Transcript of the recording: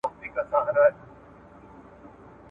تاسو د پښتو ژبې د ودې لپاره څه وړاندیز لرئ؟